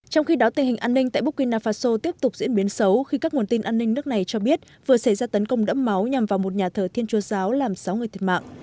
trong khi đó tình hình an ninh tại bukina faso tiếp tục diễn biến xấu khi các nguồn tin an ninh nước này cho biết vừa xảy ra tấn công đẫm máu nhằm vào một nhà thờ thiên chúa giáo làm sáu người thiệt mạng